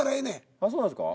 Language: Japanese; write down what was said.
あっそうなんですか？